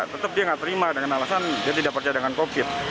tetap dia nggak terima dengan alasan dia tidak percaya dengan covid